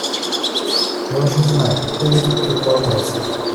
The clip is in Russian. Я уж не знаю, то ли тут предполагается.